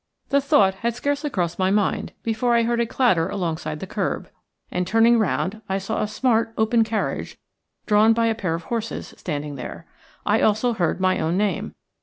The thought had scarcely crossed my mind before I heard a clatter alongside the kerb, and turning round I saw a smart open carriage, drawn by a pair of horses, standing there. I also heard my own name.